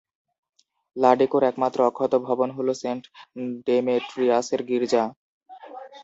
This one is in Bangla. লাডিকোর একমাত্র অক্ষত ভবন হল সেন্ট ডেমেট্রিয়াসের গির্জা।